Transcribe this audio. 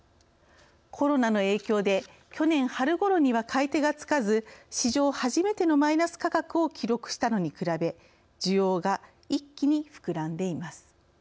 コロナの影響で去年春ごろには買い手がつかず史上初めてのマイナス価格を記録したのに比べ需要が一気に膨らんでいます。